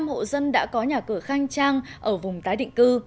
ba mươi năm hộ dân đã có nhà cửa khang trang ở vùng tái định cư